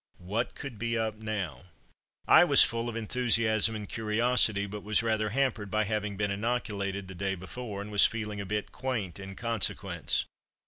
What could be up now? I was full of enthusiasm and curiosity, but was rather hampered by having been inoculated the day before, and was feeling a bit quaint in consequence.